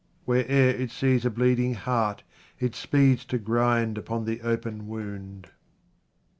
Where'er it sees a bleeding heart it speeds to grind upon the open wound.